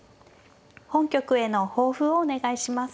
本局への抱負をお願いします。